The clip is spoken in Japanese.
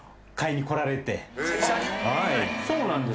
そうなんですね。